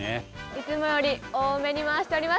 いつもより多めに回しております。